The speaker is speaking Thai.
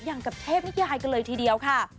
อย่างกับเทพนิยายกันเลยทีเดียวค่ะ